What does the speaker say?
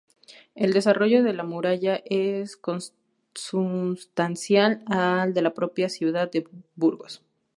El desarrollo de la muralla es consustancial al de la propia ciudad de Burgos.